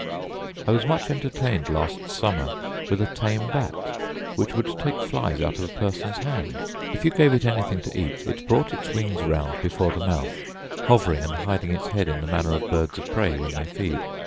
I was much entertained last summer with a tame bat, which would take flies out of a person's hand. If you gave it anything to eat, it brought its wings round before the mouth, hovering and hiding its head in the manner of birds of prey when they feed.